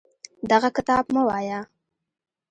دغه کتاب مه وایه.